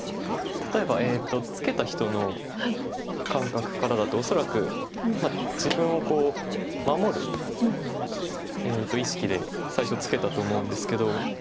例えばツケた人の感覚からだと恐らく自分を守る意識で最初ツケたと思うんですけど。